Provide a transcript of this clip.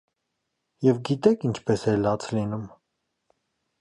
Եվ գիտե՞ք ինչպես էր լաց լինում…